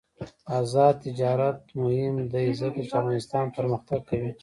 آزاد تجارت مهم دی ځکه چې افغانستان پرمختګ کوي.